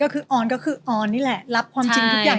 ก็คืออ้อนนี่แหละรับความจริงทุกอย่าง